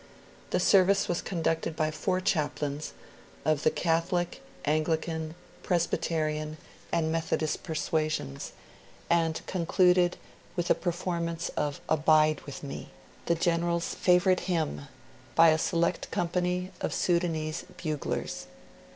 The service was conducted by four chaplains of the Catholic, Anglican, Presbyterian, and Methodist persuasions and concluded with a performance of 'Abide with Me' the General's favourite hymn by a select company of Sudanese buglers.